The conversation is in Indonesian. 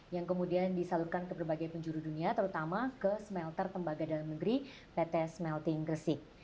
yang kemudian disalurkan ke berbagai penjuru dunia terutama ke smelter tembaga dalam negeri pt smelting gresik